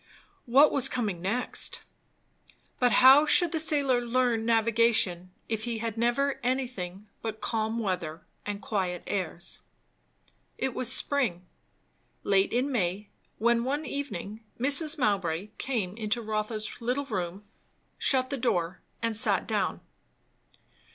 What was coming next? But how should the sailor learn navigation, if he had never anything but calm weather and quiet airs? It was spring, late in May; when one evening Mrs. Mowbray came into Rotha's little room, shut the door, and sat down.